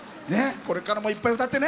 これからもいっぱい歌ってね。